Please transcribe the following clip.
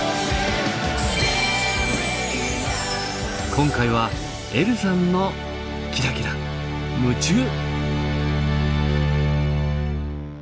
今回はえるさんのキラキラムチュー。